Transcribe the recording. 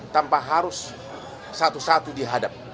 tanpa harus satu satu dihadap